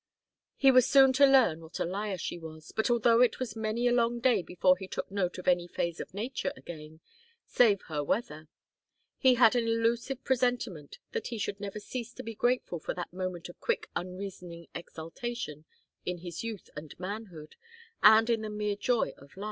He was soon to learn what a liar she was, but although it was many a long day before he took note of any phase of nature again, save her weather, he had an elusive presentiment that he should never cease to be grateful for that moment of quick unreasoning exultation in his youth and manhood, and in the mere joy of life.